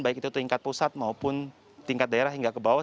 baik itu tingkat pusat maupun tingkat daerah hingga ke bawah